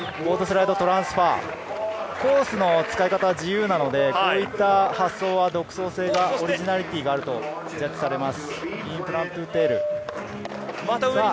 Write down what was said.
ボードスライドトランスファー。コースの使い方は自由なのでこういった発想は独創性やオリジナリティーがあると判定されます。